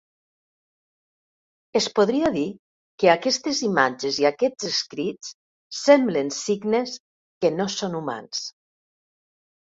Es podria dir que aquestes imatges i aquests escrits semblen signes que no són humans.